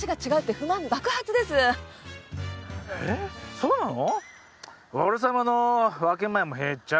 そうなの？